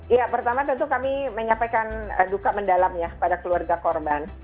ya pertama tentu kami menyampaikan duka mendalamnya pada keluarga korban